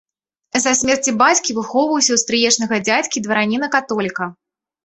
З-за смерці бацькі выхоўваўся ў стрыечнага дзядзькі, двараніна-католіка.